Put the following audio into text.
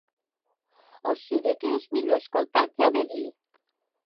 O sigui que és millor escoltar el que ha de dir.